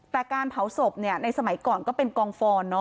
แต่การเผาศพในสมัยก่อนก็เป็นกองฟอน